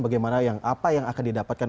bagaimana yang apa yang akan didapatkan